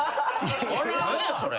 何やそれ！